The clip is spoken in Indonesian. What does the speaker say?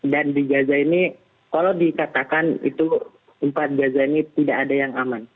dan di gaza ini kalau dikatakan itu empat gaza ini tidak ada yang aman